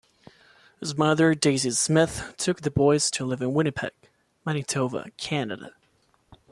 His mother Daisy Smith took the boys to live in Winnipeg, Manitoba, Canada.